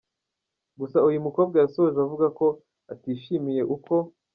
Gusa uyu mukobwa yasoje avuga ko atishimiye uko.